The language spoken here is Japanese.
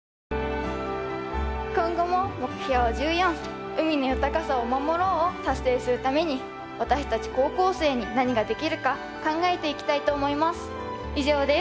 今後も目標１４「海の豊かさを守ろう」を達成するために私たち高校生に何ができるか考えていきたいと思います。